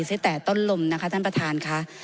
ตั้งแต่ต้นลมนะคะท่านประธานค่ะ